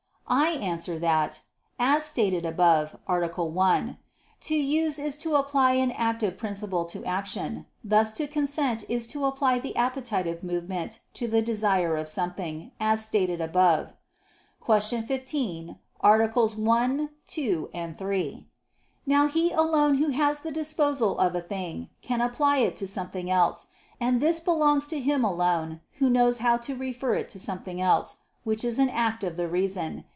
I answer that, as stated above (A. 1), to use is to apply an active principle to action: thus to consent is to apply the appetitive movement to the desire of something, as stated above (Q. 15, AA. 1, 2, 3). Now he alone who has the disposal of a thing, can apply it to something else; and this belongs to him alone who knows how to refer it to something else, which is an act of the reason.